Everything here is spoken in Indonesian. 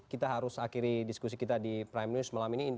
kita harus akhiri diskusi kita di prime news malam ini